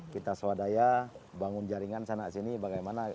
kita swadaya bangun jaringan sana sini bagaimana